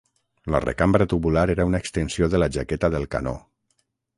La recambra tubular era una extensió de la jaqueta del canó.